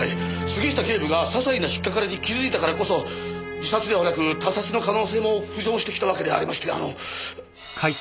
杉下警部がささいな引っかかりに気づいたからこそ自殺ではなく他殺の可能性も浮上してきたわけでありましてあの。